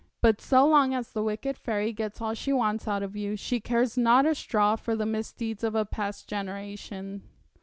But so long as the wicked fairy gets all she wants out of you, she cares not a straw for the misdeeds of past generations.'